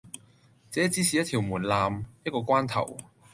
這只是一條門檻，一個關頭。